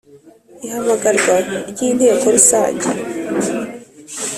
Ihamagarwa ry inteko Rusange